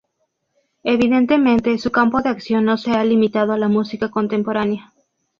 Evidentemente, su campo de acción no se ha limitado a la música contemporánea.